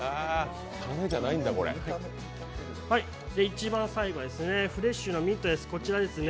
いちばん最後、フレッシュなミントですね。